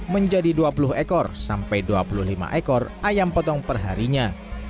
menjadi dua puluh ekor sampai dua puluh lima ekor ayam potong perharinya